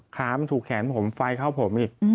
ขามันถูกแขนผมไฟเข้าผมอีก